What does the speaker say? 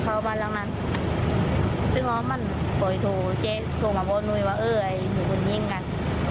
ขอบัตรลั้งนั้นที่เขามันสดถู่เจ๊สะวนมาพอมือออกแบบนี้กัน